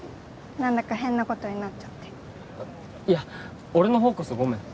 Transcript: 何だか変なことになっちゃっていや俺の方こそごめん